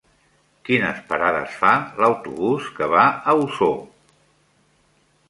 Quines parades fa l'autobús que va a Osor?